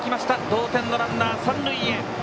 同点のランナーが三塁へ。